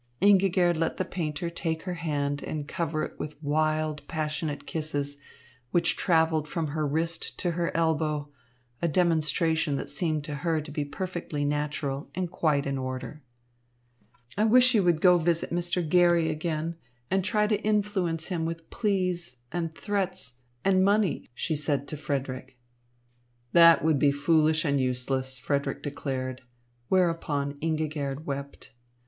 Ingigerd let the painter take her hand and cover it with wild, passionate kisses, which travelled from her wrist to her elbow, a demonstration that seemed to her to be perfectly natural and quite in order. "I wish you would go visit Mr. Garry again and try to influence him with pleas and threats and money," she said to Frederick. "That would be foolish and useless," Frederick declared; whereupon Ingigerd wept.